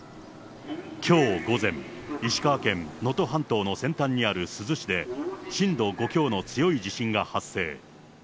きょう午前、石川県能登半島の先端にある珠洲市で、震度５強の強い地震が発生。